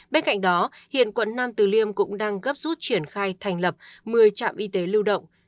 bên cạnh đó hiện quận nam từ liêm cũng đang gấp rút triển khai thành lập một mươi trạm y tế lưu động